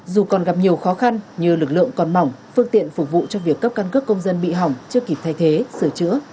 dù còn gặp nhiều khó khăn như lực lượng còn mỏng phương tiện phục vụ cho việc cấp căn cước công dân bị hỏng chưa kịp thay thế sửa chữa